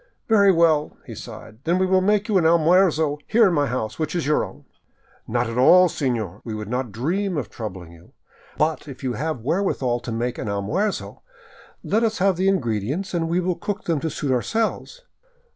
" Very well," he sighed, " then we will make you an almuerzo here in my house, which is your own." " Not at all, senor ; we would not dream of troubling you. But if you have wherewith to make an almuerzo, let us have the ingredients and we will cook them to suit ourselves."